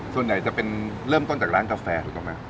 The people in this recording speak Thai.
ส่วนใหญ่จะเป็นเริ่มต้นจากร้านกาแฟถูกต้องไหม